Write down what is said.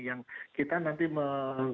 yang kita nanti akan mengambil